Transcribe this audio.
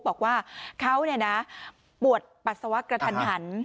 บอกว่าเขาเนี่ยนะปวดปัสสาวะกระทัน